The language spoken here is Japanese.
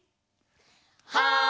はい！